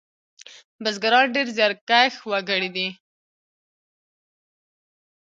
بزگران ډېر زیارکښ وگړي دي.